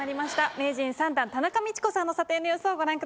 名人３段田中道子さんの査定の様子をご覧ください。